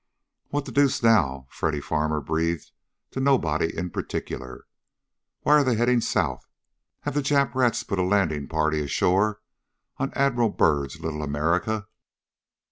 "What the deuce, now?" Freddy Farmer breathed to nobody in particular. "Why are they heading south? Have the Jap rats put a landing party ashore on Admiral Byrd's Little America?"